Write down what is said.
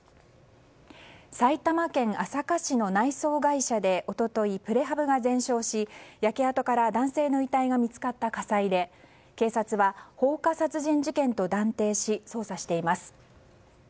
埼玉県朝霞市の内装会社で一昨日、プレハブが全焼し焼け跡から男性の遺体が見つかった火災で警察は放火殺人事件と断定し捜査しています。